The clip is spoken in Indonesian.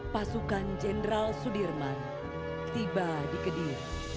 pasukan jenderal sudirman tiba di keding